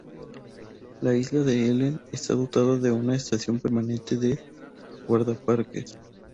La isla de Helen está dotada de una estación permanente de guardaparques.